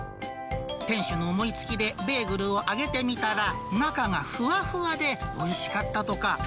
店主の思いつきでベーグルを揚げてみたら、中がふわふわでおいしかったとか。